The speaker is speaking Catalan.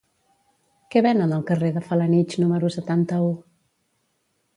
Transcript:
Què venen al carrer de Felanitx número setanta-u?